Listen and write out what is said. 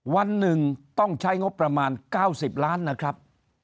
วันหนึ่งต้องใช้งบประมาณ๙๐ล้านนะครับ